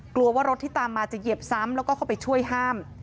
กลัวว่ารถที่ตามมาจะเหยียบซ้ำแล้วก็เข้าไปช่วยห้าม